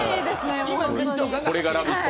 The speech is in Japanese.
これが「ラヴィット！」